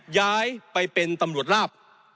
ย้ายไปเป็นตำรวจลาบ